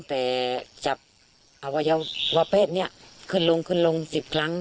แต่จับอวัยวะเพศนี้ขึ้นลงขึ้นลง๑๐ครั้ง